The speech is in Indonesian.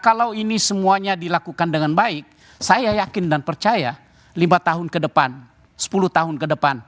kalau ini semuanya dilakukan dengan baik saya yakin dan percaya lima tahun ke depan sepuluh tahun ke depan